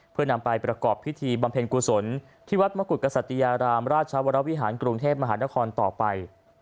เพื่อนำไปประกอบพิธีบำเพ็ญกุศลที่วัดมกุฎกษัตยารามราชวรวิหารกรุงเทพมหานครต่อไป